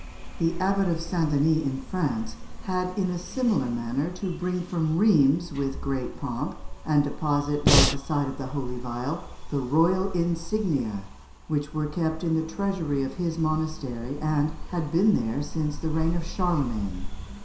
The abbot of St. Denis in France had in a similar manner to bring from Rheims with great pomp, and deposit by the side of the holy vial, the royal insignia, which were kept in the treasury of his monastery, and had been there since the reign of Charlemagne.